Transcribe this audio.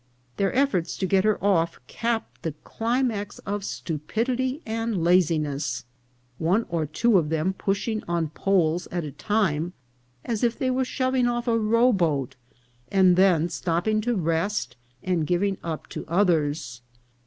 Their efforts to get her off capped the cli max of stupidity and laziness ; one or two of them pushing on poles at' a time, as if they were shoving off a rowboat, and then stopping to rest and giving up to others.